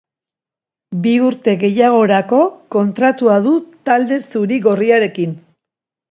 Bi urte gehiagorako kontratua du talde zuri-gorriarekin.